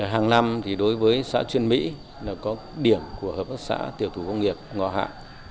hàng năm thì đối với xã chuyên mỹ là có điểm của hợp tác xã tiểu thủ công nghiệp ngò hạ